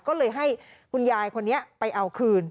ก็เลยให้คุณยายคนนี้ไปเอาคืน